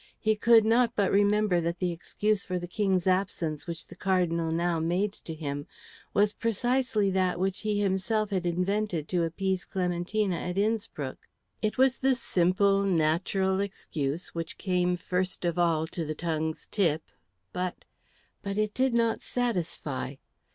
He could not but remember that the excuse for the King's absence which the Cardinal now made to him was precisely that which he himself had invented to appease Clementina at Innspruck. It was the simple, natural excuse which came first of all to the tongue's tip, but but it did not satisfy.